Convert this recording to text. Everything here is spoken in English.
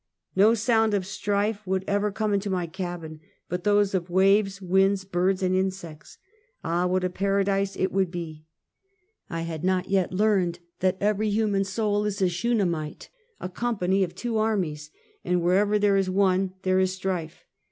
ISTo sound of strife should ever come into my cabin but those of waves, winds, birds and insects. Ah, what a paradise it would be! I had not yet learned that every human soul is a Shunamite, " a company of two armies," and wherever there is one, there is strife.